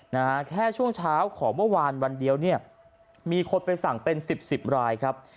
นะฮะแค่ช่วงเช้าของเมื่อวานวันเดียวเนี่ยมีคนไปสั่งเป็นสิบสิบรายครับ